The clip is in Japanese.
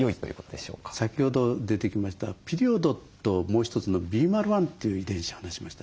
先ほど出てきましたピリオドともう一つのＢｍａｌ１という遺伝子を話しましたね。